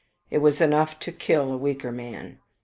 It was enough to kill a weaker man.